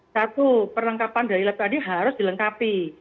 satu perlengkapan dari lab tadi harus dilengkapi